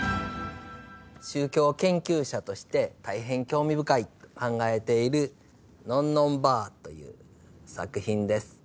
宗教研究者として大変興味深いと考えている「のんのんばあ」という作品です。